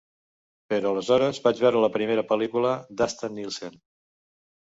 Però aleshores vaig veure la primera pel·lícula d'Asta Nielsen.